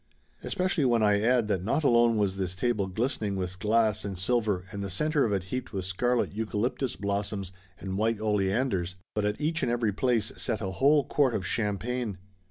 Especially when I add that not alone was this table glistening with glass and silver and the center of it heaped with scarlet eucalyptus blossoms and white oleanders, but at each and every place set a whole quart of champagne.